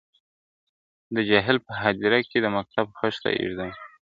د جاهل په هدیره کي د مکتب خښته ایږدمه !.